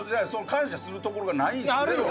感謝するところがないんですよ。